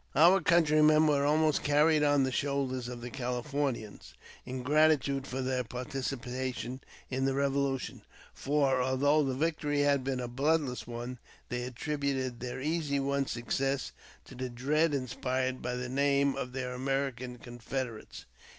Our countrymen were almost carried on the shoulders of the Californians, in gratitude for their participation in the revolu tion ; for, although the victory had been a bloodless one, they attributed their easily won success to the dread inspired by the name of their American confederates.